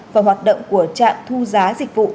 và hoạt động của trạng thu giá dịch vụ